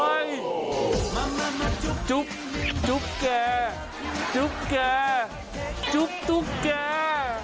โอ๊ยจุ๊บจุ๊บแกจุ๊บแกจุ๊บตุ๊กแก